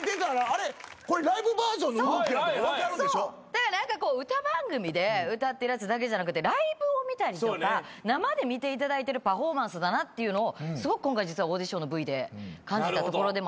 だから歌番組で歌ってるやつだけじゃなくてライブを見たりとか生で見ていただいてるパフォーマンスだなっていうのをすごく今回実はオーディションのＶで感じたところでもありまして。